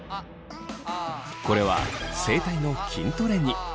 これは声帯の筋トレに。